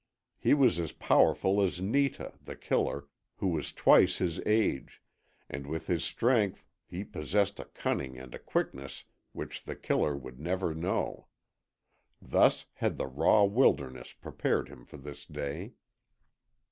He was as powerful as Netah, The Killer, who was twice his age, and with his strength he possessed a cunning and a quickness which The Killer would never know. Thus had the raw wilderness prepared him for this day.